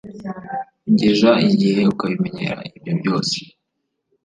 ugeza igihe ukabimenyera ibyo byose,